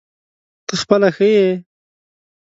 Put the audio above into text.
ته خپله ښه یې ؟